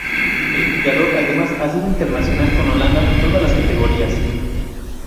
El jugador además ha sido internacional con Holanda en todas las categorías.